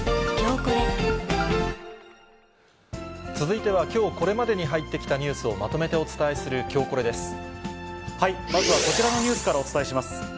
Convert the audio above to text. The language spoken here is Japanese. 続いては、きょうこれまでに入ってきたニュースをまとめてお伝えするきょうまずはこちらのニュースからお伝えします。